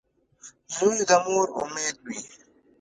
• زوی د مور امید وي.